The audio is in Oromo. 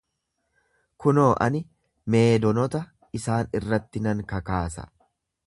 Kunoo, ani Meedonota isaan irratti nan kakaasa.